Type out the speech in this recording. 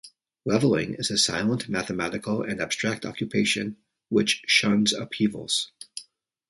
Leveling is a silent, mathematical, and abstract occupation which shuns upheavals.